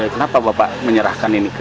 kenapa bapak menyerahkan ini